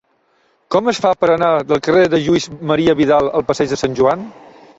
Com es fa per anar del carrer de Lluís Marià Vidal al passeig de Sant Joan?